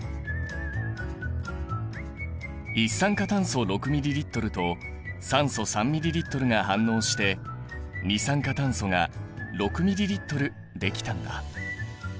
一酸化炭素６ｍＬと酸素３ｍＬが反応して二酸化炭素が６ｍＬできたんだ。